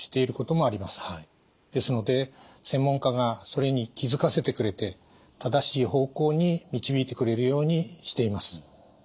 ですので専門家がそれに気付かせてくれて正しい方向に導いてくれるようにしています。